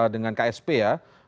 dengan ksp ya